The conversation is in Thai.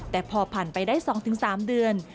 แต่พอผ่านไปได้๒๓เดือน